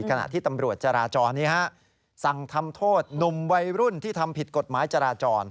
ขณะที่ตำรวจจราจรสั่งทำโทษหนุ่มวัยรุ่นที่ทำผิดกฎหมายจราจร